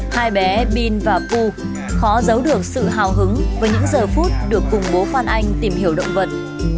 hai bé bin và pu khó giấu được sự hào hứng với những giờ phút được cùng bố phan anh tìm hiểu động vật